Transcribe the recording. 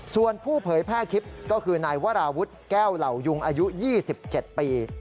ส่วนผู้เผยแพร่คลิปก็คือนายวราวุฒิแก้วเหล่ายุงอายุ๒๗ปี